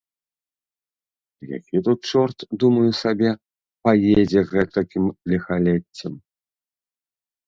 Які тут чорт, думаю сабе, паедзе гэтакім ліхалеццем.